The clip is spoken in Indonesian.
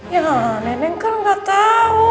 ya neneng kan gak tau